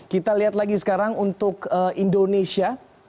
kita lihat lagi sekarang untuk indonesia